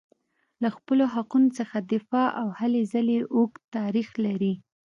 له خپلو حقونو څخه دفاع او هلې ځلې اوږد تاریخ لري.